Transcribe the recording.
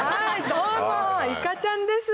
どうもいかちゃんです。